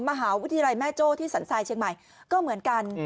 มหาวิทยาลัยแม่โจ้ที่สันทรายเชียงใหม่ก็เหมือนกัน